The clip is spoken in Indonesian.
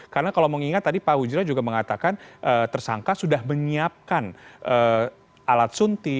karena kalau mengingat tadi pak ujira juga mengatakan tersangka sudah menyiapkan alat sunti